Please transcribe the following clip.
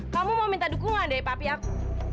kamu mau minta dukungan dari papi aku